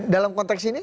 dalam konteks ini